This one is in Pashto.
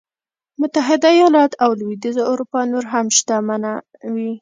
متحده ایالت او لوېدیځه اروپا نور هم شتمن وي.